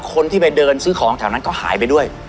คนที่ไปเดินซื้อของแถวนั้นก็หายไปด้วย